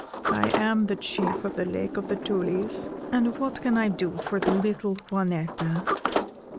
I am the Chief of the Lake of the Tulies, and what can I do for the little Juanetta?"